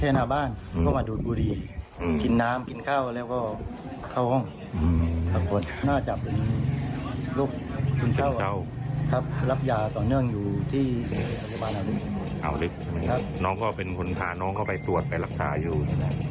เอาลิฟท์ใช่ไหมครับน้องก็เป็นคนขาน้องก็ไปตรวจไปรักษาอยู่ใช่ไหม